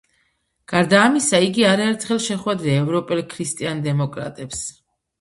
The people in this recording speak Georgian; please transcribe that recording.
გარდა ამისა იგი არაერთხელ შეხვედრია ევროპელ ქრისტიან დემოკრატებს.